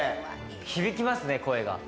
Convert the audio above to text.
響きますね、声が。